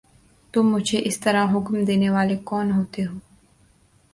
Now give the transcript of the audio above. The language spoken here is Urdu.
تم مجھے اس طرح حکم دینے والے کون ہوتے ہو؟